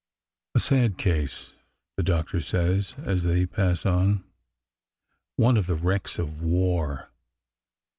A sad case !'' the doctor says as they pass on. One of the wrecks of war!